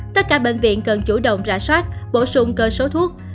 tất cả bệnh viện cần chủ động rã soát bổ sung cơ số thuốc